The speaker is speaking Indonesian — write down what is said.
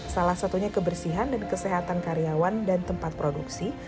salah satunya kebersihan dan kesehatan karyawan dan tempat produksi